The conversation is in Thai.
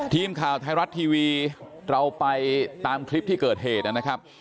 ทีมข่าวไทยรัฐทีวีเราไปตามคลิปที่เกิดเหตุนะครับ